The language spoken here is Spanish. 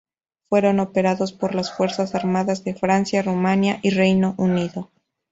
Fueron operados por las fuerzas armadas de Francia, Rumanía y Reino Unido.